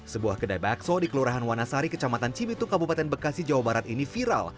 sebuah kedai bakso di kelurahan wanasari kecamatan cibitu kabupaten bekasi jawa barat ini viral